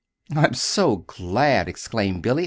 "I'm so glad!" exclaimed Billy.